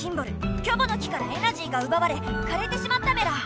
「キョボの木」からエナジーがうばわれかれてしまったメラ。